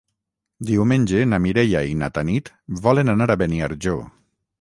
Diumenge na Mireia i na Tanit volen anar a Beniarjó.